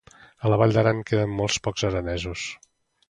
A la Vall d'Aran queden molt pocs aranesos.